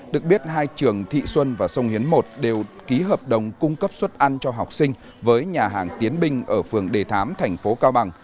được biết hai trường thị xuân và sông hiến một đều ký hợp đồng cung cấp suất ăn cho học sinh với nhà hàng tiến binh ở phường đề thám thành phố cao bằng